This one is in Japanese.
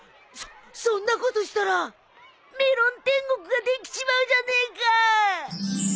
そそんなことしたらメロン天国ができちまうじゃねえか！